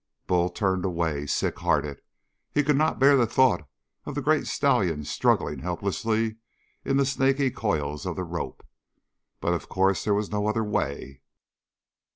Bull turned away, sick hearted. He could not bear the thought of the great stallion struggling helpless in the snaky coils of the rope. But of course there was no other way.